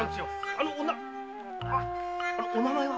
あのあお名前は？